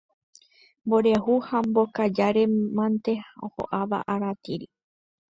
Mboriahu ha mbokajáre mante ho'áva aratiri